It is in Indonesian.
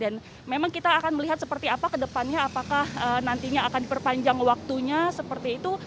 dan memang kita akan melihat seperti apa kedepannya apakah nantinya akan diperpanjang waktunya seperti itu